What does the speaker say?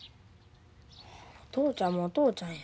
お父ちゃんもお父ちゃんや。